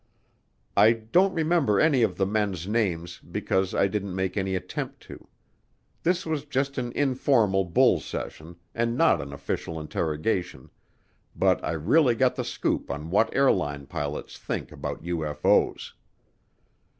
I don't remember any of the men's names because I didn't make any attempt to. This was just an informal bull session and not an official interrogation, but I really got the scoop on what airline pilots think about UFO's.